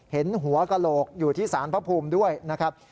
เห็นหัวกระโหลกอยู่ที่สารพระภูมิด้วยนะครับ